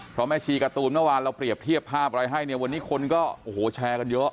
เพราะแม่ชีการ์ตูนเมื่อวานเราเปรียบเทียบภาพอะไรให้เนี่ยวันนี้คนก็โอ้โหแชร์กันเยอะ